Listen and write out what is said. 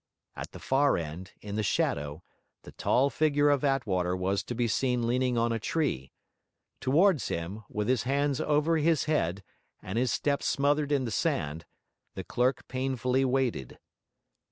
At the far end, in the shadow, the tall figure of Attwater was to be seen leaning on a tree; towards him, with his hands over his head, and his steps smothered in the sand, the clerk painfully waded.